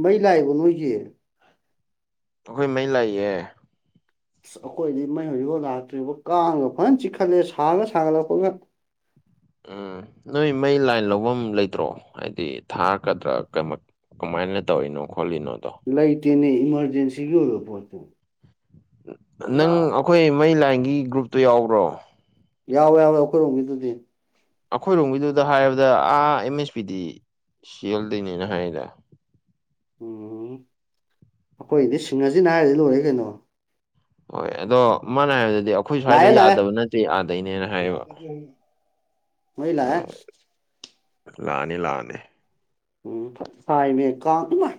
ꯃꯩ ꯂꯥꯛꯏꯕ ꯅꯣꯏꯒꯤ ꯑꯩꯈꯣꯏ ꯃꯩ ꯂꯥꯛꯏꯌꯦ ꯑꯁ ꯑꯩꯈꯣꯏꯗꯤ ꯃꯩ ꯍꯧꯖꯤꯛꯐꯥꯎ ꯂꯥꯛꯇ꯭ꯔꯤꯕꯣ ꯀꯥꯡꯉꯒ ꯐꯖꯅ ꯆꯤꯛꯈꯠꯂꯦ ꯁꯥꯔꯒ ꯁꯥꯒꯠꯂꯛꯄꯠꯒ ꯎꯝ ꯅꯣꯏ ꯃꯩ ꯂꯥꯏꯟ ꯂꯐꯝ ꯂꯩꯇ꯭ꯔꯣ ꯍꯥꯏꯗꯤ ꯊꯥꯀꯗ꯭ꯔꯥ ꯀ ꯀꯃꯥꯏꯅ ꯇꯧꯔꯤꯅꯣ ꯈꯣꯠꯂꯤꯅꯣꯗꯣ ꯂꯩꯇꯦꯅꯦ ꯏꯃꯔꯖꯦꯟꯁꯤ ꯒꯤ ꯑꯣꯏꯕ ꯄꯣꯠꯄꯨ ꯅꯪ ꯑꯩꯈꯣꯏ ꯃꯩ ꯂꯥꯏꯟꯒꯤ ꯒ꯭ꯔꯨꯞꯇꯨ ꯌꯥꯎꯕ꯭ꯔꯣ ꯌꯥꯎꯋꯦ ꯌꯥꯎꯋꯦ ꯑꯩꯈꯔꯣꯝꯒꯤ ꯗꯨꯗꯤ ꯑꯩꯈꯣꯏꯔꯣꯝꯒꯤꯗꯨꯗ ꯍꯥꯏꯔꯕꯗ ꯑꯥ ꯑꯦꯝ ꯑꯦꯁ ꯄꯤꯗꯤ ꯁꯤꯦꯜꯗꯅꯦꯅ ꯍꯥꯏꯔꯤꯗ ꯎꯝ ꯑꯩꯈꯣꯏꯗꯤ ꯁꯤꯡꯉꯁꯤꯅ ꯍꯥꯏꯔꯗꯤ ꯂꯣꯏꯔꯦ ꯀꯩꯅꯣ ꯍꯣꯏ ꯑꯗꯣ ꯃꯥꯅ ꯍꯥꯏꯔꯕꯗꯗꯤ ꯑꯩꯈꯣꯏ ꯁ꯭ꯋꯥꯏꯗ ꯂꯥꯛꯑꯦ ꯌꯥꯗꯕ ꯅꯠꯇꯦ ꯑꯥꯗꯩꯅꯦꯅ ꯍꯥꯏꯌꯦꯕ ꯂꯥꯛꯑꯦ ꯃꯩ ꯂꯥꯛꯑꯦ ꯑꯣ ꯂꯥꯛꯑꯅꯤ ꯂꯥꯛꯑꯅꯤ ꯎꯝ ꯁꯥꯏꯅꯦ ꯀꯥꯡ ꯑꯗꯨꯥꯏ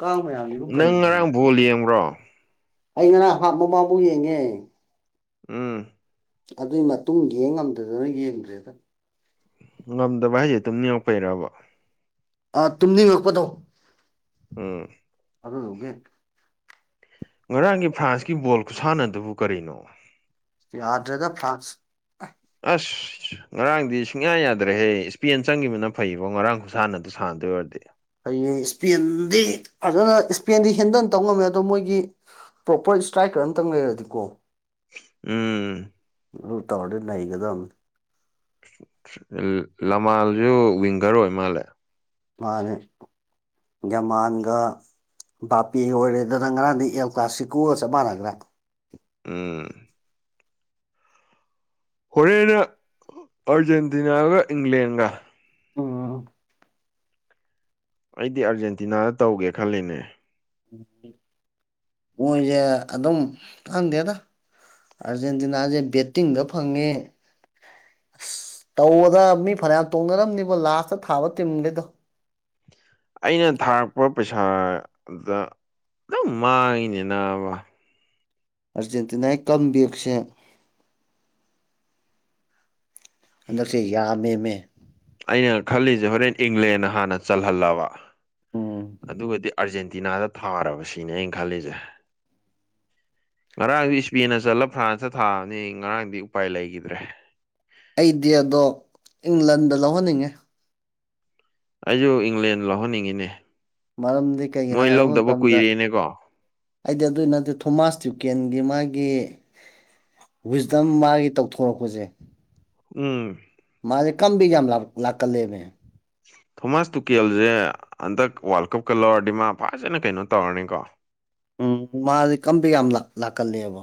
ꯀꯥꯡ ꯃꯌꯥꯝꯒꯤ ꯑꯗꯨꯝ ꯀꯔꯤ ꯂꯡꯕ꯭ꯔꯣ ꯑꯩ ꯉꯔ ꯍꯥꯟꯕ ꯃꯥꯕꯨ ꯌꯦꯡꯉꯦ ꯎꯝ ꯑꯗꯨꯏ ꯃꯇꯨꯡ ꯌꯦꯡ ꯉꯝꯗꯗꯅ ꯌꯦꯡꯗ꯭ꯔꯦꯗ ꯉꯝꯗꯕ ꯍꯥꯏꯖꯦ ꯇꯨꯝꯅꯤꯡꯉꯥꯛꯄꯩꯔꯕ ꯑꯥ ꯇꯨꯝꯅꯤꯡꯉꯛꯄꯗꯣ ꯎꯝ ꯑꯗꯨ ꯗꯨꯒꯤ ꯉꯔꯥꯡꯒꯤ ꯐ꯭ꯔꯥꯟꯁꯀꯤ ꯕꯣꯜ ꯈꯨꯠꯁꯥꯟꯅꯗꯨꯕꯨ ꯀꯔꯤꯅꯣ ꯌꯥꯗ꯭ꯔꯦꯗ ꯐ꯭ꯔꯥꯟꯁ ꯑꯁ ꯉꯔꯥꯡꯗꯤ ꯁꯨꯡꯌꯥ ꯌꯥꯗ꯭ꯔꯦꯍꯦ ꯏꯁꯄꯦꯟ ꯆꯪꯒꯤꯕꯅ ꯐꯩꯕꯣ ꯉꯔꯥꯡ ꯈꯨꯁꯥꯅꯗꯣ ꯁꯥꯟꯅꯗꯣꯏ ꯑꯣꯏꯔꯗꯤ ꯍꯩꯌꯦ ꯏꯁꯄꯦꯟꯗꯤ ꯐꯖꯅ ꯏꯁꯄꯦꯟꯗꯤ ꯍꯦꯟꯗꯟ ꯇꯧ ꯉꯝꯃꯦ ꯑꯗꯣ ꯃꯣꯏꯒꯤ ꯄ꯭ꯔꯣꯄꯔ ꯏꯁꯇ꯭ꯔꯥꯏꯀꯔ ꯑꯃꯝꯇꯪ ꯂꯩꯔꯗꯤꯀꯣ ꯎꯝ ꯇꯧꯔꯗꯤ ꯅꯩꯒꯗꯕꯅꯤ ꯂꯃꯥꯜꯖꯨ ꯋꯤꯡꯒꯔ ꯑꯣꯏ ꯃꯥꯜꯂꯦ ꯃꯥꯅꯦ ꯌꯥꯃꯥꯟꯒ ꯕꯥꯄꯦ ꯑꯣꯏꯔꯦꯗꯅ ꯉꯔꯥꯡꯗꯤ ꯑꯦꯜ ꯀ꯭ꯂꯥꯁꯤꯀꯣꯒ ꯆꯞ ꯃꯥꯟꯅꯒ꯭ꯔꯦ ꯎꯝ ꯍꯣꯔꯦꯟꯅ ꯑꯥꯔꯖꯦꯟꯇꯤꯅꯥꯒ ꯏꯪꯂꯦꯟꯒ ꯑꯥ ꯑꯩꯗꯤ ꯑꯥꯔꯖꯦꯟꯇꯤꯅꯥꯗ ꯇꯧꯒꯦ ꯈꯜꯂꯤꯅꯦ ꯃꯣꯏꯖꯦ ꯑꯗꯨꯝ ꯈꯪꯗꯦꯗ ꯑꯥꯔꯖꯦꯟꯇꯤꯅꯥꯖꯦ ꯕꯦꯠꯇꯤꯡꯗ ꯐꯪꯉꯦ ꯇꯧꯕꯗ ꯃꯤ ꯐꯅꯌꯥꯝ ꯇꯣꯡꯅꯔꯝꯅꯤꯕ ꯂꯥꯁꯇ ꯊꯥꯕ ꯇꯤꯝꯒꯤꯗꯣ ꯑꯩꯅ ꯊꯥꯔꯛꯄ ꯄꯩꯁꯥꯗ ꯑꯗꯨꯝ ꯃꯥꯡꯉꯤꯅꯦ ꯅꯥꯕ ꯑꯔꯖꯦꯟꯇꯤꯅꯥꯏ ꯀꯝꯕꯦꯛꯁꯦ ꯍꯟꯗꯛꯁꯦ ꯌꯥꯝꯃꯦꯃꯦ ꯑꯩꯅ ꯈꯜꯂꯤꯖꯦ ꯍꯣꯔꯦꯟ ꯏꯪꯂꯦꯟꯅ ꯍꯥꯟꯅ ꯆꯜꯍꯜꯂꯕ ꯎꯝ ꯑꯗꯨꯒꯗꯤ ꯑꯥꯔꯖꯦꯟꯇꯤꯅꯥꯗ ꯊꯥꯔꯕ ꯁꯤꯅꯦ ꯑꯩꯅ ꯈꯜꯂꯤꯖꯦ ꯉꯔꯥꯡꯗꯤ ꯏꯁꯄꯦꯟꯅ ꯆꯜꯂ ꯐ꯭ꯔꯥꯟꯁꯇ ꯊꯥꯕꯅꯤ ꯉꯔꯥꯡꯗꯤ ꯎꯄꯥꯏ ꯂꯩꯒꯤꯗ꯭ꯔꯦ ꯑꯩꯗꯤ ꯑꯗꯣ ꯏꯪꯂꯟꯗ ꯂꯧꯍꯟꯅꯤꯡꯉꯦ ꯑꯩꯖꯨ ꯏꯪꯂꯦꯟ ꯂꯧꯍꯟꯅꯤꯡꯉꯤꯅꯦ ꯃꯔꯝꯗꯤ ꯀꯩꯒꯤꯅꯣ ꯃꯣꯏ ꯍꯥꯏꯕ ꯂꯧꯗꯕ ꯃꯇꯝꯗ ꯀꯨꯏꯔꯦꯅꯦꯀꯣ ꯑꯩꯗꯤ ꯑꯗꯨꯏ ꯅꯠꯇꯦ ꯊꯣꯃꯥꯁ ꯇ꯭ꯌꯨꯀꯦꯟꯒꯤ ꯃꯥꯒꯤ ꯋꯤꯁꯗꯝ ꯃꯥꯒꯤ ꯇꯧꯊꯣꯔꯛꯄꯖꯦ ꯎꯝ ꯃꯥꯖꯦ ꯀꯝꯕꯤꯒ ꯌꯥꯝ ꯂꯥꯛꯀꯜꯂꯦꯃꯦ ꯊꯣꯃꯥꯁ ꯇꯨꯀꯦꯜꯖꯦ ꯍꯟꯗꯛ ꯋꯥꯔꯜ ꯀꯞꯀꯥ ꯂꯧꯔꯗꯤ ꯃꯥ ꯐꯖꯅ ꯀꯩꯅꯣ ꯇꯧꯔꯅꯤꯀꯣ ꯎꯝ ꯃꯥꯗꯤ ꯀꯝꯕꯦꯛ ꯌꯥꯝ ꯂꯥꯛꯀꯜꯂꯦꯕ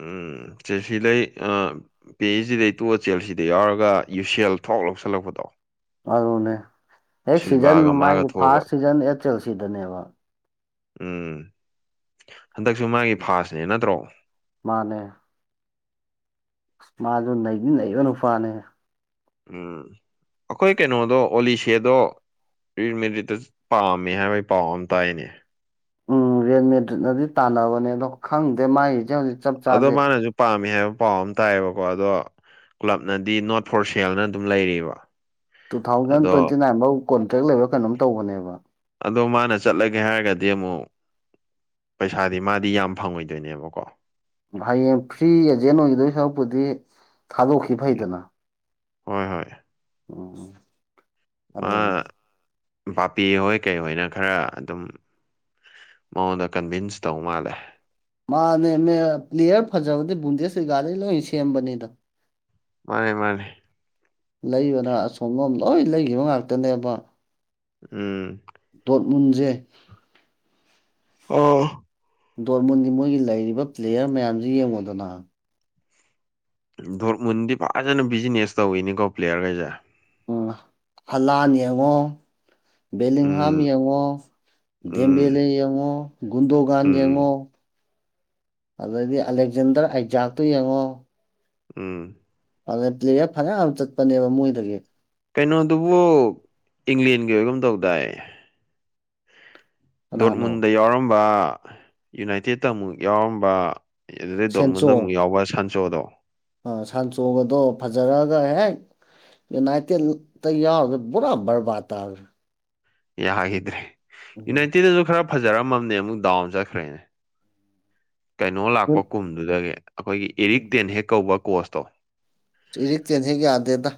ꯎꯝ ꯆꯦꯁꯤ ꯂꯩ ꯑꯥ ꯄꯤ ꯑꯦꯁ ꯗꯤꯗꯩ ꯇꯣꯑ ꯆꯦꯜꯁꯤꯗ ꯌꯥꯎꯔꯒ ꯌꯨꯁꯦꯜ ꯊꯣꯛ ꯂꯧꯁꯤꯜꯂꯛꯄꯗꯣ ꯑꯗꯨꯅꯦ ꯍꯦꯛ ꯁꯤꯖꯟ ꯁꯤꯜꯚꯒ ꯃꯥꯒ ꯃꯥꯒꯤ ꯊꯣꯛꯑꯒ ꯐꯥꯔꯁ ꯁꯤꯖꯟ ꯑꯦ ꯆꯦꯜꯁꯤꯗꯅꯦꯕ ꯎꯝ ꯍꯟꯗꯛꯁꯨ ꯃꯥꯒꯤ ꯐꯥꯁꯅꯦ ꯅꯠꯇ꯭ꯔꯣ ꯃꯥꯅꯦ ꯃꯥꯖꯨ ꯅꯩꯗꯤ ꯅꯩꯕ ꯅꯨꯄꯥꯅꯦ ꯎꯝ ꯑꯩꯈꯣꯏ ꯀꯩꯅꯣꯗꯣ ꯑꯣꯂꯤꯁꯦꯗꯣ ꯔꯤꯃꯦꯔꯤꯠꯇ ꯄꯥꯝꯃꯦ ꯍꯥꯏꯕꯒꯤ ꯄꯥꯎ ꯑꯃ ꯇꯥꯏꯅꯦ ꯎꯝ ꯔꯦꯜ ꯃꯦꯗ꯭ꯔꯤꯠꯅꯗꯤ ꯇꯥꯟꯅꯕꯅꯦ ꯑꯗꯣ ꯈꯪꯗꯦ ꯃꯥꯒꯤꯁꯦ ꯍꯧꯖꯤꯛ ꯆꯞ ꯑꯗꯣ ꯆꯥꯕꯤ ꯃꯥꯅꯁꯨ ꯄꯥꯝꯃꯦ ꯍꯥꯏꯕ ꯄꯥꯎ ꯑꯃ ꯇꯥꯏꯌꯦꯕꯀꯣ ꯑꯗꯣ ꯀ꯭ꯂꯕꯅꯗꯤ ꯅꯣꯠ ꯐꯣꯔ ꯁꯦꯜꯅ ꯑꯗꯨꯝ ꯂꯩꯔꯤꯕ ꯇꯨ ꯊꯥꯎꯖꯟ ꯇ꯭ꯋꯦꯟꯇꯤ ꯑꯗꯣ ꯅꯥꯏꯟꯐꯥꯎ ꯀꯣꯟꯇ꯭ꯔꯦꯛ ꯂꯩꯕ ꯀꯩꯅꯣꯝ ꯇꯧꯕꯅꯦꯕ ꯑꯗꯣ ꯃꯥꯅ ꯆꯠꯂꯒꯦ ꯍꯥꯏꯔꯒꯗꯤ ꯑꯃꯨꯛ ꯄꯩꯁꯥꯗꯤ ꯃꯥꯗꯤ ꯌꯥꯝ ꯐꯪꯉꯣꯏꯗꯣꯏꯅꯦꯕꯀꯣ ꯍꯌꯦꯡ ꯐ꯭ꯔꯤ ꯑꯦꯖꯦꯟ ꯑꯣꯏꯒꯗꯣꯏ ꯁꯔꯛꯄꯨꯗꯤ ꯊꯥꯗꯣꯛꯈꯤ ꯎꯝ ꯐꯩꯗꯅ ꯍꯣꯏ ꯍꯣꯏ ꯎꯝ ꯃꯥ ꯑꯗꯨꯅꯤ ꯕꯥꯄꯦ ꯍꯣꯏ ꯀꯩꯍꯣꯏꯅ ꯈꯔ ꯑꯗꯨꯝ ꯃꯉꯣꯟꯗ ꯀꯟꯚꯤꯟꯁ ꯇꯧ ꯃꯥꯜꯂꯦ ꯃꯥꯅꯦ ꯄ꯭ꯂꯦꯌꯔ ꯐꯖꯕꯗꯤ ꯕꯨꯟꯗꯦꯖꯂꯤꯒꯗꯩꯩ ꯂꯣꯏ ꯁꯦꯝꯕꯅꯦꯗ ꯃꯥꯅꯦ ꯃꯥꯅꯦ ꯂꯩꯕꯅ ꯑꯁꯣꯝꯂꯣꯝ ꯂꯣꯏ ꯂꯩꯈꯤꯕ ꯉꯥꯛꯇꯅꯦꯕ ꯎꯝ ꯗꯣꯔꯠꯃꯨꯟꯁꯦ ꯑꯧ ꯗꯣꯔꯃꯨꯟꯒꯤ ꯃꯣꯏꯒꯤ ꯂꯩꯔꯤꯕ ꯄ꯭ꯂꯦꯌꯔ ꯃꯌꯥꯝꯁꯤ ꯌꯦꯡꯉꯨꯗꯅ ꯗꯣꯔꯃꯨꯟꯗꯤ ꯐꯖꯅ ꯕꯤꯖꯤꯅꯦꯁ ꯇꯧꯋꯤꯅꯦꯀꯣ ꯄ꯭ꯂꯦꯌꯔ ꯈꯩꯁꯦ ꯎ ꯍꯂꯥꯟ ꯌꯦꯡꯉꯣ ꯕꯦꯂꯤꯡꯍꯥꯝ ꯎꯝ ꯌꯦꯡꯉꯣ ꯎꯝ ꯗꯦꯝꯕꯦꯂꯦ ꯌꯦꯡꯉꯣ ꯒꯨꯟꯗꯨꯒꯥꯟ ꯎꯝ ꯎꯝ ꯌꯦꯡꯉꯣ ꯑꯗꯩꯗꯤ ꯑꯂꯦꯛꯖꯦꯟꯗꯔ ꯑꯩꯖꯥꯛꯇꯣ ꯌꯦꯡꯉꯣ ꯎꯝ ꯄ꯭ꯂꯦꯌꯥꯔ ꯐꯅꯌꯥꯝ ꯆꯠꯄꯅꯦꯕ ꯃꯣꯏꯗꯒꯤ ꯀꯩꯅꯣꯗꯨꯕꯨ ꯏꯪꯂꯦꯟꯒꯤ ꯑꯣꯏꯒꯨꯝ ꯇꯧꯗꯥꯏ ꯀꯅꯥꯅꯣ ꯗꯣꯔꯃꯨꯟꯗ ꯌꯥꯎꯔꯝꯕ ꯌꯨꯅꯥꯏꯇꯦꯠꯇꯃꯨꯛ ꯌꯥꯎꯔꯝꯕ ꯑꯦ ꯑꯗꯨꯗꯩ ꯗꯣꯔꯃꯨꯟꯗ ꯑꯃꯨꯛ ꯌꯥꯎꯕ ꯁꯥꯟꯆꯣꯗꯣ ꯁꯥꯟꯆꯣꯒꯗꯣ ꯐꯖꯔꯛꯑꯒ ꯍꯦꯛ ꯌꯨꯅꯥꯏꯇꯦꯠꯇ ꯌꯥꯎꯔꯨꯕ ꯄꯨꯔꯥ ꯕꯔꯕꯥꯠ ꯇꯥꯔꯦ ꯌꯥꯈꯤꯗ꯭ꯔꯦ ꯎꯝ ꯌꯨꯅꯥꯏꯇꯦꯠꯗꯁꯨ ꯈꯔ ꯐꯖꯔꯝꯃꯕꯅꯦ ꯑꯃꯨꯛ ꯗꯥꯎꯟ ꯆꯠꯈ꯭ꯔꯦꯅꯦ ꯀꯩꯅꯣ ꯂꯥꯛꯄ ꯀꯨꯝꯗꯨꯗꯒꯤ ꯑꯩꯈꯣꯏꯒꯤ ꯏꯔꯤꯛ ꯇꯦꯟ ꯍꯦꯛ ꯀꯧꯕ ꯀꯣꯔꯁꯇꯣ ꯏꯔꯤꯛ ꯇꯦꯟꯖꯤ ꯌꯥꯗꯦꯗ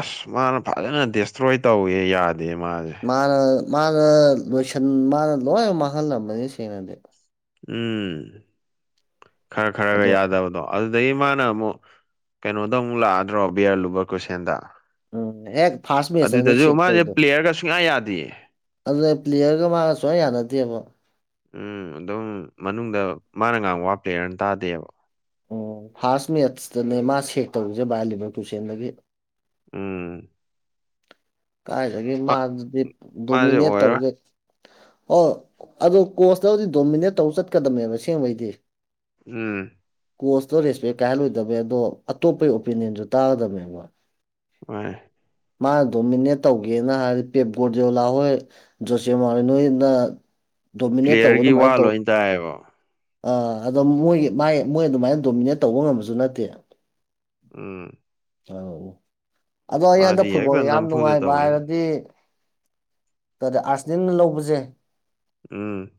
ꯑꯁ ꯃꯥꯅ ꯐꯖꯅ ꯗꯤꯁꯇ꯭ꯔꯣꯏ ꯇꯧꯋꯦ ꯌꯥꯗꯦ ꯃꯥꯁꯦ ꯃꯥꯅ ꯃꯥꯅ ꯂꯣꯏꯁꯤꯟ ꯃꯥꯅ ꯂꯣꯏꯅ ꯃꯥꯡꯍꯜꯂꯝꯕꯅꯤ ꯁꯦꯡꯅꯗꯤ ꯎꯝ ꯈꯔ ꯈꯔ ꯒ ꯑꯗꯣ ꯌꯥꯖꯕꯗꯣ ꯑꯗꯨꯗꯒꯤ ꯃꯥꯅ ꯑꯃꯨꯛ ꯀꯩꯅꯣꯗ ꯑꯃꯨꯛ ꯂꯥꯛꯑꯗ꯭ꯔꯣ ꯕꯤꯌꯔ ꯂꯨꯕ ꯀꯣꯏꯁꯦꯟꯗ ꯎꯝ ꯍꯦꯛ ꯐꯥꯔꯁ ꯃꯦꯠꯆꯇꯅꯦ ꯑꯗꯨꯗꯁꯨ ꯁꯦꯛ ꯃꯥꯁꯦ ꯄ꯭ꯂꯦꯌꯔꯒ ꯁꯨꯡꯌꯥ ꯌꯥꯗꯤꯌꯦ ꯑꯗꯨꯅꯦ ꯄ꯭ꯂꯦꯌꯔꯒ ꯃꯥꯒ ꯁꯨꯡꯌꯥ ꯌꯥꯅꯗꯦꯕ ꯎꯝ ꯑꯗꯨꯝ ꯃꯅꯨꯡꯗ ꯃꯥꯅ ꯉꯥꯡꯕ ꯋꯥ ꯄ꯭ꯂꯦꯔꯅ ꯇꯥꯗꯦꯕ ꯑꯣ ꯐꯥꯔꯁ ꯃꯦꯠꯁꯇꯅꯦ ꯃꯥ ꯁꯦꯛ ꯇꯧꯏꯁꯦ ꯕꯌꯜꯂꯤꯕꯣ ꯇꯨꯁꯦꯟꯗꯒꯤ ꯎꯝ ꯀꯥꯏꯗꯒꯤ ꯃꯥ- ꯃꯥꯗꯨꯗꯤ ꯃꯥꯁꯦ ꯗꯣꯃꯤꯅꯦꯠ ꯑꯣꯏꯔꯔꯣꯏ ꯇꯧꯔꯒꯦ ꯑꯣ ꯑꯗꯣ ꯀꯣꯁꯇꯕꯨꯗꯤ ꯗꯣꯃꯤꯅꯦꯠ ꯇꯧꯔꯒ ꯆꯠꯀꯗꯝꯅꯦꯕ ꯑꯁꯦꯡꯕꯩꯗꯤ ꯎꯝ ꯀꯣꯁꯇꯣ ꯔꯦꯁꯄꯦꯛ ꯀꯥꯏꯍꯜꯂꯣꯏꯗꯕꯅꯦ ꯑꯗꯣ ꯑꯇꯣꯞꯄꯒꯤ ꯑꯣꯄꯤꯅꯤꯌꯟꯁꯨ ꯇꯥꯒꯗꯕꯅꯦꯕ ꯃꯥꯅꯤ ꯃꯥ ꯗꯣꯃꯤꯅꯦꯠ ꯇꯧꯒꯦꯅ ꯍꯥꯏꯔꯗꯤ ꯄꯦꯞ ꯖꯥꯂꯥꯍꯣꯏ ꯖꯣꯁꯦ ꯃꯥ ꯅꯣꯏꯅ ꯗꯣꯃꯤꯅꯦꯠ ꯇꯧꯕ ꯄ꯭ꯂꯦꯌꯔꯒꯤ ꯋꯥ ꯑꯗꯨꯃꯥꯏꯅ ꯇꯧ ꯂꯣꯏ ꯇꯥꯏꯌꯦꯕ ꯑꯥ ꯑꯗꯣ ꯃꯣꯏꯒꯤ ꯃꯥꯏ ꯃꯣꯏ ꯑꯗꯨꯃꯥꯏꯅ ꯗꯣꯃꯤꯅꯦꯠ ꯇꯧꯕ ꯉꯝꯕꯁꯨ ꯅꯠꯇꯦ ꯎꯝ ꯑ ꯑꯗꯣ ꯑꯩ ꯃꯥꯗꯤ ꯍꯟꯗꯛ ꯐꯨꯠꯕꯣꯜ ꯍꯦꯛꯇ ꯌꯥꯝ ꯅꯝꯐꯨꯗ ꯅꯨꯡꯉꯥꯏꯕ ꯇꯧꯋꯦ ꯍꯥꯏꯔꯗꯤ ꯑꯥꯔꯁꯅꯦꯜꯅ ꯂꯧꯕꯁꯦ ꯎꯝ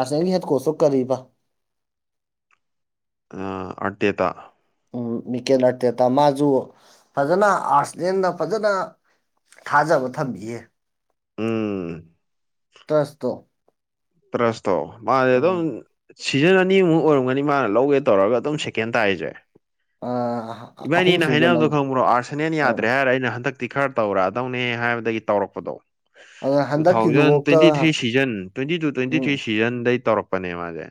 ꯑꯔꯁꯅꯦꯜꯒꯤ ꯍꯦꯠꯀꯣꯁꯇꯨ ꯀꯔꯤꯕ ꯑꯇꯦꯇꯥ ꯃꯤꯀꯦꯜ ꯑꯔꯇꯦꯠꯇ ꯃꯥꯁꯨ ꯐꯖꯅ ꯑꯥꯔꯠꯁꯂꯦꯟꯗ ꯐꯖꯅ ꯊꯥꯖꯕ ꯊꯝꯕꯤꯌꯦ ꯎꯝ ꯎꯝ ꯇꯁꯇꯣ ꯇꯔꯁꯇꫭ ꯃꯖ‌ꯦ ꯎꯝ ꯑꯗꯨꯝ ꯁꯤꯖꯟ ꯑꯅꯤꯃꯨꯛ ꯑꯣꯏꯔꯝꯒꯅꯤ ꯃꯥꯅ ꯂꯧꯒꯦ ꯇꯧꯔꯒ ꯑꯗꯨꯝ ꯁꯦꯀꯦꯟ ꯇꯥꯏꯔꯤꯁꯦ ꯑꯥ ꯑꯍꯨꯝ ꯏꯕꯥꯏꯅꯤꯅ ꯁꯨꯕꯗ ꯍꯥꯏꯅꯕꯗꯣ ꯂꯧꯔꯦ ꯈꯪꯕ꯭ꯔꯣ ꯑꯥꯔꯁꯟꯦꯟꯜ ꯑꯥ ꯌꯥꯗ꯭ꯔꯦ ꯍꯥꯏꯔ ꯑꯩꯅ ꯍꯟꯗꯛ ꯇꯤ ꯈꯔ ꯇꯧꯔꯛꯑꯗꯧꯅꯦ ꯍꯥꯏꯕꯗꯒꯤ ꯇꯧꯔꯛꯄꯗꯣ ꯑꯗꯨꯅ ꯇꯨ ꯊꯥꯎꯖꯟ ꯍꯟꯗꯛꯀꯤꯗꯨꯐꯥꯎꯗ twenty three season twenty two twenty ꯎꯝ ꯊ꯭ꯔꯤ ꯁꯤꯖꯟꯗꯩ ꯇꯧꯔꯛꯄ ꯄꯅ‌ꯦ ꯃꯁ‌ꯦ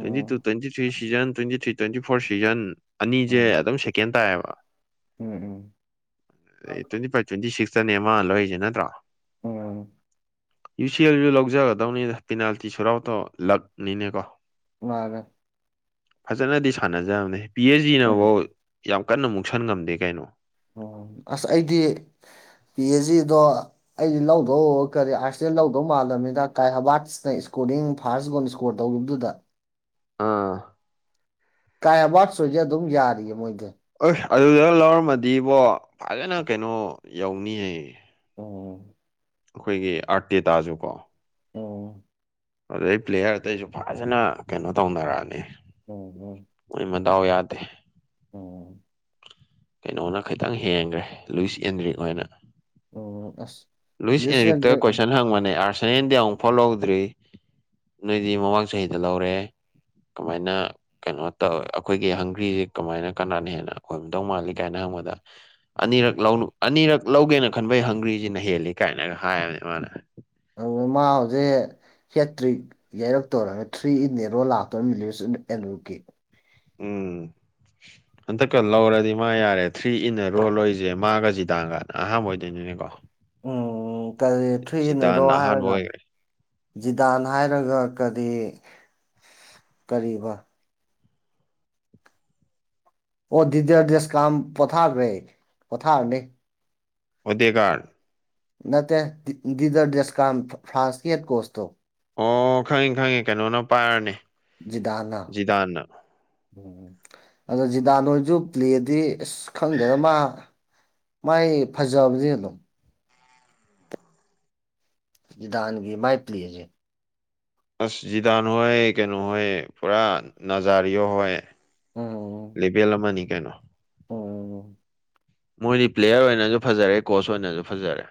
twenty two twenty three season twenty three twenty four season ꯑꯅꯤꯁꯦ ꯑꯗꯨꯝ ꯁꯦꯀꯦꯟ ꯇꯥꯏꯌꯦꯕ ꯎꯝ ꯎꯝ ꯇ꯭ꯋꯦꯟꯤꯚ, ꯇ꯭ꯋꯦꯟꯇꯤ ꯁꯤꯛꯁꯇꯅꯦ ꯃꯅꯥ ꯂꯧꯏꯔꯤꯁꯦ ꯅꯠꯇ꯭ꯔꯣ ꯎꯝ ꯌꯨ ꯁꯤ ꯑꯦꯜꯁꯨ ꯂꯧꯖꯒꯗꯧꯅꯤꯗ ꯄꯦꯅꯥꯜꯇꯤ ꯁꯨꯠ ꯑꯥꯎꯇꫭ ꯂꯥꯛꯅꯤꯅꯦ ꯀꯣ ꯃꯥꯟꯅ‌ꯦ ꯐꯖꯅꯗꯤ ꯁꯥꯟꯅꯖꯕꯅꯦ ꯄꯤ ꯑꯩꯆ ꯎꯝ ꯖꯤꯅꯐꯧ ꯌꯥꯝ ꯀꯟꯅ ꯃꯨꯛꯁꯟ ꯉꯝꯗꯦ ꯀꯩꯅꯣ ꯑꯣ ꯑꯁ ꯑꯩꯗꯤ ꯄꯤ ꯑꯩꯆ ꯖꯤꯗꯣ ꯑꯩꯗꯤ ꯂꯧꯗꯧ ꯀꯔꯤ ꯑꯥꯔꯁ ꯂꯧꯗꯧ ꯃꯥꯜꯂꯝꯅꯤꯅ ꯀꯥꯏ ꯍꯕꯥꯠ ꯁꯤ ꯏꯁꯀꯣꯔꯤꯡ ꯐꯥꯔꯁ ꯒꯣꯜ ꯁ꯭ꯀꯣꯔ ꯇꯧꯒꯤꯕꯗꯨꯗ ꯑꯥ ꯀꯥꯏ ꯍꯔꯕꯥꯠ ꯍꫭꯏꯗꯤ ꯑꯗꯨꯝ ꯌꯥꯔꯤꯌꯦ ꯃꯣꯏꯗ ꯑꯣꯏꯁ ꯑꯗꯨꯗ ꯂꯧꯔꯝꯃꯗꯤꯕꯣ ꯐꯖꯅ ꯀꯩꯅꯣ ꯌꯧꯅꯤꯌꯦ ꯎꯝ ꯑꯩꯈꯣꯏꯒꯤ ꯑꯥꯔꯇꯦꯇꯥꯖꯨꯀꯣ ꯎꯝ ꯑꯗꯨꯗꯩ ꯄ꯭ꯂꯦꯌꯔ ꯑꯇꯩꯁꯨ ꯐꯖꯅ ꯀꯩꯅꯣ ꯇꯧꯅꯔꯛꯑꯅꯤ ꯑꯣ ꯍ [unintelligible] ꯃꯣꯏ ꯃꯗꯥꯎ ꯌꯥꯗꯦ ꯎꯝ ꯀꯩꯅꯣꯅ ꯈꯤꯇꯪ ꯍꯦꯟꯈ꯭ꯔꯦ ꯂꯨꯏꯁ ꯑꯦꯟꯗ꯭ꯔꯤꯛ ꯍꫭꯏꯅ ꯎꯝ ꯑꯁ ꯂꯨꯏꯁ ꯂꯤꯁ ꯑꯦꯟꯔꯤꯛꯇ ꯑꯦꯟꯗ꯭ꯔꯦ ꯀꯣꯏꯁꯟ ꯍꯪꯕꯅꯦ ꯑꯥꯔꯁꯟꯟꯗꯤ ꯑꯃꯨꯛ ꯐꯥꯎ ꯂꯧꯗ꯭ꯔꯤ ꯅꯣꯏꯗꯤ ꯃꯃꯥꯡ ꯆꯍꯤꯗ ꯂꯧꯔꯦ ꯀꯃꯥꯏꯅ ꯀꯩꯅꯣ ꯇꯧ ꯑꯩꯈꯣꯏꯒꯤ ꯍꯪꯒ꯭ꯔꯤꯁ‌ꯦ ꯀꯃꯥꯏꯅ ꯀꯅꯥꯅ ꯍꯦꯟꯅ ꯑꫭꯏꯔꯝꯗꯧ ꯃꯥꯜꯂꯤ ꯀꯥꯏꯅ ꯍꯪꯕꯗ ꯑꯅꯤꯔꯛ ꯂꯧꯅꯨ ꯑꯅꯤꯔꯛ ꯂꯧꯒꯦꯅ ꯈꯟꯕꯩ ꯍꯪꯒ꯭ꯔꯤꯁꯤꯅ ꯍꯦꯜꯂꯤ ꯀꯥꯏꯅꯒ ꯍꯥꯏꯕꯅꯦ ꯃꯥꯅ ꯑꫭ ꯃꯥ ꯍꯧꯖꯤꯛ ꯍꯦꯇ꯭ꯔꯤꯛ ꯌꯥꯩꯔꯛꯇꯧꯔꯒ ꯊ꯭ꯔꯤ ꯏꯤꯟꯅ‌ꯦꯔꯣ ꯂꯥꯛꯇꯧꯅ ꯑꯦꯀꯤ [unintelligible] ꯎꯝ [inaudible] ꯍꯟꯗꯛꯀ ꯂꯧꯔꯗꯤ ꯃꯥ ꯌꯥꯔꯦ ꯊ꯭ꯔꯤ ꯏꯟ ꯅ‌ꯦꯔꯣ ꯂꯧꯔꯤꯁꯦ ꯃꯥꯒ ꯖꯤꯗꯥꯡꯒꯅ ꯑꯍꯥꯟꯕ ꯑꯣꯏꯗꯣꯏꯅꯤꯅꯦꯀꯣ ꯎꯝ ꯀꯔꯤ ꯊꯨꯔꯤ ꯏꯟꯅꯦꯔꯣ ꯖꯤꯗꯥꯟꯅ ꯑꯍꯥꯟꯕ ꯍꯥꯏꯔꯒ ꯑꯣꯏꯈ꯭ꯔꯦ ꯖꯤꯗꯥꯟ ꯍꯥꯏꯔꯒ ꯀꯔꯤ ꯀꯔꯤꯕ ꯑꯣ ꯗꯤꯗꫪ ꯗꯁ ꯀꯥꯝ ꯄꯣꯊꯥꯔꯈ꯭ꯔꯦ ꯄꯣꯊꯥꯔꯅꯤ ꯑꯣꯗ‌ꯦꯒꯔ [unintelligible] ꯅꯠꯇ‌ꯦ ꯗꯤꯗꯔ ꯗꯦꯁꯀꯥꯝ ꯐ꯭ꯔꯥꯟꯀꯤꯍꯦꯠ ꯀꯣꯁꯇꯣ ꯑꯣ ꯈꯪꯉꯤ ꯈꯪꯉꯤ ꯀꯩꯅꯣꯅ ꯄꯥꯏꯔꯅꯤ ꯖꯤꯗꯥꯟꯅ ꯖꯤꯗꯥꯟꯅ ꯎꯝ ꯑꯗꯣ ꯖꯤꯗꯥꯟ ꯍꫭꯏꯁꯨ ꯄ꯭ꯂꯦꯗꯤ ꯑꯁ ꯈꯪꯗ‌ꯦꯕ ꯃꯥ ꯃꯥꯏ ꯐꯖꯕꯗꯤ ꯑꯗꯨꯝ ꯗꯥꯥꯟꯒꯤ ꯃꯥꯏꯖꯤꯦ ꯑꯁ ꯖꯤꯗꯥꯥꯟ ꯍꯣꯏ ꯀꯩꯅꯣ ꯍꯣꯏ ꯄꯨꯔꯥ ꯖꯥꯔꯤꯌꯣ ꯍꯣꯏ ꯂꯦꯕꯤ ꯑ ꯂꯝꯕꯅꯤ ꯀꯥꯏꯩꯅꯣ ꯑꯣ ꯃꯣꯏꯗꯤ ꯄ꯭ꯂꯦꯌꯔ ꯑꯣꯏꯅꯁꯨ ꯐꯖꯔꯦ ꯀꯣꯆ ꯑꯣꯏꯅꯁꯨ ꯐꯖꯔꯦ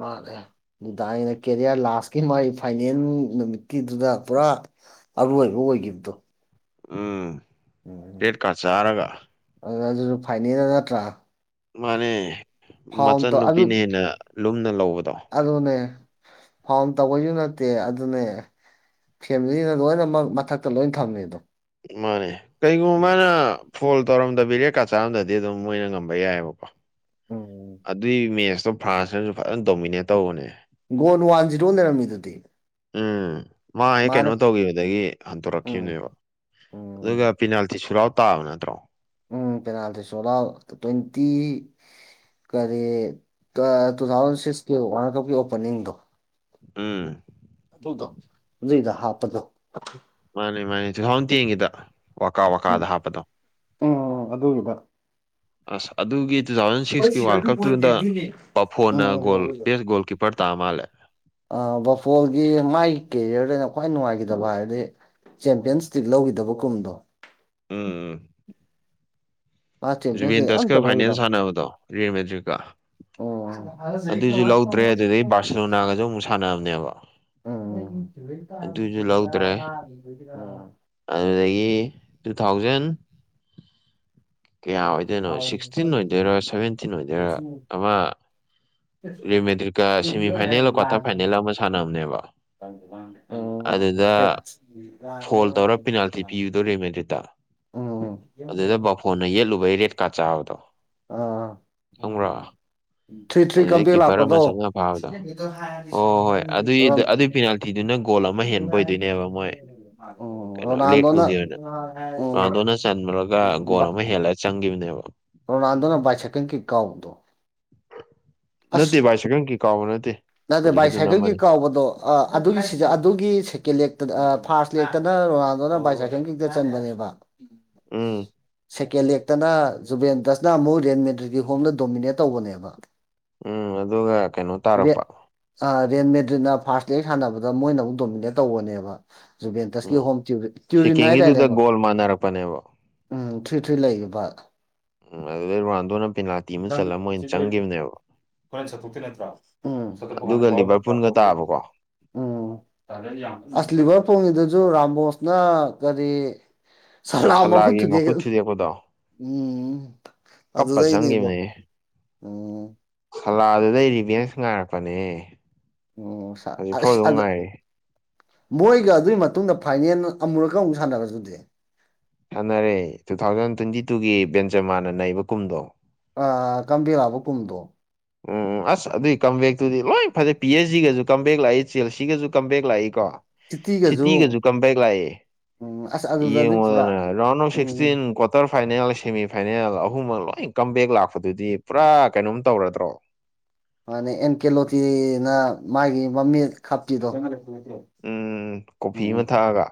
ꯃꯥꯔꯦ ꯑꯗꯨꯗꯥ ꯑꯩꯅ ꯀꯦꯔꯤꯌꯔ ꯂꯥꯁꯀꯤ ꯃꯥꯒꯤ ꯐꯥꯏꯅꯦꯜ ꯅꯨꯃꯤꯠꯀꯤꯗꯨꯗ ꯄꯨꯔꯥ ꯑꯔꯣꯏꯕ ꯑꯣꯏꯈꯤꯕꯗꯣ ꯎꯝ ꯎꯝ ꯔꯦꯠ ꯀꯥꯔꯗ ꯆꯥꯔꯒ ꯑꯗꯨ ꯑꯗꯨꯁꯨ ꯐꯥꯏꯅꯦꯜꯗ ꯅꯠꯇ꯭ꯔꯥ ꯃꯥꯅꯦ ꯐꯥꯎꯟ ꯃꯆꯟ ꯑꯗꯨ ꯅꯨꯨꯄꯤꯅ ꯍꯦꯟꯅ ꯂꯨꯝꯅ ꯂꯧꯕꯗꯣ ꯑꯗꯨꯅꯦ ꯐꯣꯟꯣꯟ ꯇꯧꯕꯁꯨ ꯅꯠꯇꯦ ꯑꯗꯨꯅꯦ ꯐꯦꯃꯤꯂꯤꯅ ꯂꯣꯏꯅꯃꯛ ꯃꯊꯛꯇ ꯂꯣꯏꯅ ꯐꯝꯃꯦ ꯑꯗꯣ ꯃꯥꯅꯦ ꯀꯩꯒꯨꯝꯕ ꯃꯥꯅ ꯐꯣꯟ ꯇꯧꯔꯝꯗꯕꯤꯔꯦꯀꯥ ꯆꯥꯔꯝꯗꯗꯤ ꯑꯗꯨꯝ ꯃꯣꯏꯅ ꯉꯝꯕ ꯌꯥꯏꯑꯕꯀꯣ ꯎꯝ ꯑꯗꯨꯏ ꯃꯦꯠꯁꯇꯣ ꯐ꯭ꯔꯥꯟꯁꯅꯁꯨ ꯐꯖꯅ ꯗꯣꯃꯤꯅꯦꯠ ꯇꯧꯕꯅꯦ ꯒꯣ ꯋꯥꯟ ꯖꯤꯔꯣ ꯂꯩꯔꯝꯃꯤꯗꯨꯗꯤ ꯎꯝ ꯃꯥ ꯃꯥꯅ ꯀꯩꯅꯣ ꯇꯧꯈꯤꯕꯗꯒꯤ ꯎꯝ ꯍꯟꯗꯣꯔꯛꯈꯤꯕꯅꯦꯕ ꯎꯝ ꯑꯗꯨꯒ ꯄꯤꯅꯥꯜꯇꯤ ꯁꯨꯔꯥꯎ ꯇꯥꯕ ꯅꯠꯇ꯭ꯔꯣ ꯎꯝ ꯄꯦꯅꯥꯜꯇꯤ ꯁꯣꯂꯥꯎ ꯇ꯭ꯋꯦꯟꯇꯤ ꯀꯔꯤ ꯇꯨ ꯊꯥꯎꯖꯟ ꯁꯤꯛꯁꯀꯤ ꯋꯥꯔꯜ ꯀꯞꯀꯤ ꯑꯣꯄꯅꯤꯡꯗꯣ ꯎꯝ ꯑꯗꯨꯗꯣ ꯑꯗꯨꯩꯗ ꯍꯥꯞꯄꯗꯣ ꯃꯥꯅꯦ ꯃꯥꯅꯦ ꯇꯨ ꯊꯥꯎꯖꯟ ꯇꯦꯟꯒꯤꯗ ꯋꯥꯀꯥ ꯋꯥꯀꯥꯗ ꯍꯥꯞꯄꯗꯣ ꯎ ꯑꯗꯨꯒꯤꯒ ꯑꯁ ꯑꯗꯨꯒꯤ ꯇꯨ ꯊꯥꯎꯖꯟ ꯁꯤꯛꯁꯀꯤ ꯋꯥꯔꯜ ꯀꯞꯇꯨꯗ ꯄꯐꯣꯅ ꯎꯝ ꯒꯣꯜ ꯕꯦ ꯒꯣꯜ ꯄꯔꯇꯥ ꯑꯃꯜ ꯕꯐꯣꯜꯒꯤ ꯃꯥꯒꯤ ꯀꯦꯔꯤꯌꯔꯗ ꯑꯩꯅ ꯈ꯭ꯋꯥꯏ ꯅꯨꯡꯉꯥꯏꯈꯤꯗꯕ ꯍꯥꯏꯔꯗꯤ ꯆꯦꯝꯄꯤꯌꯟꯁꯇꯤꯛ ꯂꯧꯈꯤꯗꯕ ꯀꯨꯝꯗꯣ ꯎꯝ ꯎꯝ ꯃꯥ ꯆꯦꯝꯄꯤꯌꯟꯁ ꯖꯨꯕꯦꯟ ꯂꯤꯛ ꯇꯁꯀ ꯑꯝꯇ ꯐꯥꯏꯅꯜ ꯂꯧꯈꯤꯗꯕ ꯁꯥꯟꯅꯕꯗꯣ ꯔꯤꯌꯦꯜ ꯃꯦꯗ꯭ꯔꯤꯛꯀ ꯎꯝ ꯑꯗꯨꯁꯨ ꯂꯧꯗ꯭ꯔꯦ ꯑꯗꯨꯗꯩ ꯕꯥꯔꯁꯤꯦꯂꯣꯅꯥꯒꯁꯨ ꯑꯃꯨꯛ ꯁꯥꯟꯅꯕꯅꯦꯕ ꯇ ꯑꯗꯨꯏꯁꯨ ꯁꯤꯠꯇꯅꯤꯅ ꯂꯧꯗ꯭ꯔꯦ ꯃꯥꯥꯡꯉꯕ ꯑꯗꯨꯗꯒꯤ ꯇꯨ ꯊꯥꯎꯖꯟ ꯀꯌꯥ ꯑꯣꯏꯗꯣꯏꯅꯣ ꯁꯤꯛꯁꯇꯤꯟ ꯑꯣꯏꯗꯣꯏꯔ ꯁꯚꯦꯟꯇꯤꯟ ꯑꯣꯏꯗꯣꯏꯔ ꯑꯃ ꯔꯔꯤꯃꯦꯗꯤꯔꯤꯀ ꯁꯦꯃꯤ ꯐꯥꯏꯅꯦꯜꯒ ꯀ꯭ꯋꯥꯇꯔ ꯐꯥꯏꯅꯦꯜ ꯑꯃ ꯁꯥꯟꯅꯕꯅꯦꯕ ꯑꯗꯨꯗ ꯑꯣ ꯐꯣꯜ ꯇꯧꯔꯒ ꯄꯦꯅꯥꯜꯇꯤ ꯄꯤꯗꯣꯔꯦꯃꯦꯟꯗ꯭ꯔꯤꯗ ꯑꯗꯨꯗ ꯕꯥꯐꯣꯟꯅ ꯌꯦꯠꯂꯨꯕꯩ ꯔꯦꯠꯀꯥ ꯆꯥꯕꯗꯣ ꯈꯪꯕ꯭ꯔꯥ ꯊ꯭ꯔꯤ ꯊ꯭ꯔꯤ ꯑꯗꯨꯗꯩ ꯀꯝꯕꯦꯛ ꯀꯤꯄꯔ ꯑꯃ ꯂꯥꯛꯄꯗꯣ ꯆꯪꯉ ꯐꯥꯕꯗꯣ ꯍꯣ ꯍꯣꯏ ꯑꯗꯨꯏ ꯑꯗꯨꯏ ꯄꯤꯅꯥꯜꯇꯤꯗꯨꯅ ꯒꯣꯜ ꯑꯃ ꯍꯦꯟꯕ ꯑꯣꯏꯗꯣꯏꯅꯦꯕ ꯃꯣꯏ ꯎꯝ ꯀꯩꯅꯣ ꯔꯣꯅꯥꯜꯗꯣꯅ ꯂꯦꯛꯇꯨꯒꯤ ꯑꯣꯏꯅ ꯎꯝ ꯑꯗꯨꯅ ꯆꯟꯨꯔꯒ ꯒꯣꯜ ꯑꯃ ꯍꯦꯜꯂ ꯆꯪꯈꯤꯕꯅꯦꯕ ꯀꯣꯅ ꯑꯟꯗꯅ ꯥꯏ ꯁꯀꯡ ꯀꯦ ꯀꯥꯎꯗꯣ ꯅꯠꯇꯦ ꯚꯥꯏ ꯁꯥꯏꯀꯪ ꯀꯩ ꯀꯥꯎꯕ ꯅꯠꯇꯦ ꯅꯠꯇꯦ ꯕꯥꯏ ꯍꯧꯖꯤꯛꯀꯤꯗꯨꯅ ꯁꯥꯏꯀꯜꯒꯤ ꯑꯃꯅꯤ ꯀꯥꯎꯕꯗꯣ ꯑꯗꯨꯒꯤ ꯁꯤꯗ ꯑꯗꯨꯒꯤ ꯁꯦꯀꯦꯟ ꯂꯦꯛꯇꯅ ꯐꯥꯔꯁ ꯂꯦꯛꯇꯅ ꯔꯣꯅꯥꯜꯗꯣꯅ ꯕꯥꯏꯁꯥꯏꯀꯦꯜꯒꯤꯛꯇ ꯆꯟꯕꯅꯦꯕ ꯎꯝ ꯎꯝ ꯁꯦꯀꯦꯟ ꯂꯦꯛꯇꯅ ꯖꯨꯕꯦꯟꯗꯁꯅ ꯑꯃꯨꯛ ꯔꯦꯟ ꯃꯦꯟꯗ꯭ꯔꯒꯤ ꯍꯣꯝꯗ ꯗꯣꯃꯤꯅꯦꯠ ꯇꯧꯕꯅꯦꯕ ꯎꯝ ꯑꯗꯨꯒ ꯀꯩꯅꯣ ꯔꯦ ꯇꯥꯔꯛꯄ ꯑ ꯔꯦꯟ ꯃꯦꯗ꯭ꯔꯤꯅ ꯐꯥꯔꯁꯠ ꯂꯦꯛ ꯁꯥꯟꯅꯕꯗ ꯃꯣꯏꯅ ꯑꯃꯨꯛ ꯗꯣꯃꯤꯅꯦꯠ ꯇꯧꯕꯅꯦꯕ ꯨꯖꯨꯒꯦꯜ ꯇꯁꯀꯤ ꯎꯝ ꯍꯣꯝ ꯇ꯭ꯌꯨꯔꯤꯠ ꯇꯤꯌꯨꯎꯔꯤꯜ ꯍꯥꯏꯗꯥꯏꯅꯦ ꯁꯦꯀꯦꯟꯒꯤꯗꯨꯗ ꯒꯣꯜ ꯃꯥꯟꯅꯔꯛꯄꯅꯦꯕ ꯎꯝ ꯊ꯭ꯔꯤ ꯊ꯭ꯔꯤ ꯂꯩꯕ ꯎꯝ ꯑꯗꯨꯗꯩ ꯔꯣꯅꯥꯜꯗꯣꯅ ꯄꯦꯅꯥꯜꯇꯤ ꯑꯃ ꯆꯠꯂꯝꯣꯏ ꯑꯣꯏꯅ ꯆꯪꯈꯤꯕꯅꯦꯕ ꯑꯩꯈꯣꯏꯅ ꯆꯠꯇꯨꯛꯇ ꯅꯠꯇ꯭ꯔꯥ ꯑꯗꯨꯒ ꯂꯤꯚꯔꯄꯨꯜꯒ ꯇꯥꯕꯀꯣ ꯆꯠꯇꯨꯛꯄꯥꯟꯗ ꯎꯝ ꯑꯁ ꯂꯤꯚꯔ ꯐꯣꯡꯉꯤꯗꯨꯁꯨ ꯔꯥꯝꯝꯕꯣꯁꯅ ꯀꯔꯤ ꯁꯜ ꯂ ꯃꯈꯨꯠ ꯁꯂꯥꯒꯤ ꯊꯨꯗꯦꯈ ꯊꯨꯗꯦꯛꯄꯗꯣ ꯎꯝ ꯀꯞꯄ ꯑꯗꯨꯗꯩꯅꯦꯕꯣ ꯆꯪꯈꯤꯕꯅꯦ ꯎꯝ ꯁꯂꯥꯗꯨꯗꯩ ꯔꯤꯚꯦꯟꯁ ꯉꯥꯏꯔꯛꯄꯅꯦ ꯎꯝ ꯑꯁ ꯍꯧꯖꯤꯛꯐꯥꯎꯗ ꯑꯗ ꯉꯥꯏꯔꯤ ꯃꯣꯏꯒ ꯑꯗꯨꯒꯤ ꯃꯇꯨꯡꯗ ꯐꯥꯏꯅꯦꯜ ꯑꯃꯨꯔꯛꯀ ꯑꯃꯨꯛ ꯁꯥꯟꯅꯔꯁꯨꯗꯤ ꯁꯥꯟꯅꯔꯦ ꯇꯨ ꯊꯥꯎꯖꯟ ꯇ꯭ꯋꯦꯟꯇꯤ ꯇꯨꯒꯤ ꯕꯦꯟꯖꯃꯥꯅ ꯅꯩꯕ ꯀꯨꯝꯗꯣ ꯑ ꯀꯥꯝꯕꯤꯔꯛꯑꯕ ꯄꯨꯡꯗꯣ ꯎꯝ ꯑꯁ ꯑꯗꯨꯏ ꯀꯝꯕꯦꯛꯇꯨꯗꯤ ꯂꯣꯏ ꯐꯖꯩ ꯄꯤ ꯑꯦꯁ ꯖꯤꯒꯁꯨ ꯀꯝꯝꯕꯦꯛ ꯂꯥꯛꯏ ꯆꯦꯜ ꯁꯤꯒꯖꯁꯨ ꯀꯝꯝꯕꯦꯛ ꯂꯥꯛꯏ ꯀꯣ ꯏꯇꯤꯒꯁꯨ ꯁꯤꯇꯤꯒꯁꯨ ꯀꯝꯄꯦꯛ ꯂꯥꯛꯑꯦ ꯎꯝ ꯑꯁ ꯑꯗꯨꯗꯗꯤ ꯄꯨꯔꯥ ꯌꯦꯡꯉꯣꯗꯅ ꯔꯥꯎꯟ ꯑꯣꯐ ꯁꯤꯛꯁꯇꯤꯟ ꯎꯝ ꯀ꯭ꯋꯥꯇꯔ ꯐꯥꯏꯅꯦꯜ ꯁꯦꯃꯤꯐꯥꯏꯅꯦꯜ ꯑꯍꯨꯝꯃꯛ ꯂꯣꯏ ꯀꯝꯝꯕꯦꯛ ꯂꯥꯛꯄꯗꯨꯗꯤ ꯄꯨꯔꯥ ꯀꯩꯅꯣꯝ ꯇꯧꯔꯗ꯭ꯔꯣ [inaudible] ꯃꯥꯅ ꯑꯦꯟꯀꯦꯂꯣꯇꯤꯅ ꯃꯥꯒꯤ ꯃꯃꯤꯠ ꯈꯞꯄꯤꯗꯣ ꯎꯝ ꯎꯝ ꯀꯣꯐꯤ ꯎꯝ ꯑꯃ ꯊꯥꯛꯑꯒ